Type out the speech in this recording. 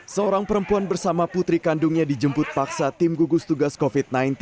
seorang perempuan bersama putri kandungnya dijemput paksa tim gugus tugas covid sembilan belas